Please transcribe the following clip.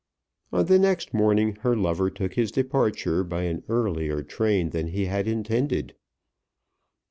On the next morning her lover took his departure by an earlier train than he had intended.